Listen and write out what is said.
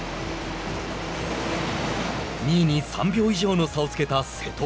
２位に３秒以上の差をつけた瀬戸。